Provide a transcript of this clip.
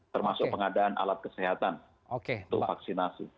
termasuk pengadaan alat kesehatan untuk vaksinasi